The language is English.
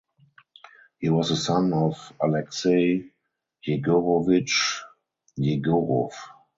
He was the son of Alexei Yegorovich Yegorov.